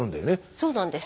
そうなんです。